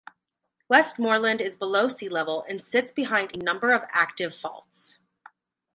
Westmorland is below sea level and sits behind a number of active faults.